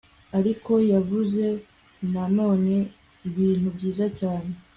ariko yavuze na none ibintu byiza cyane